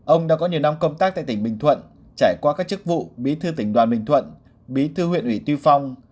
ông đã có nhiều năm công tác tại tỉnh bình thuận trải qua các chức vụ bí thư tỉnh đoàn bình thuận bí thư huyện ủy tuy phong